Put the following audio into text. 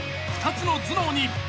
２つの頭脳に］